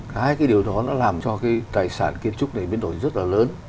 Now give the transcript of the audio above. cái điều đó nó làm cho cái tài sản kiến trúc này biến đổi rất là lớn